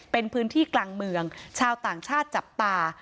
เป็นพื้นที่กลางเมืองชาวต่างชาติจับตา